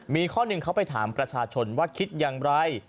มีข้อหนึ่งเขาไปถามประชาชนว่าคิดอย่างไร